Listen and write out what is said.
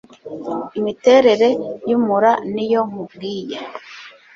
Imiterere y'umura niyo nkubwiye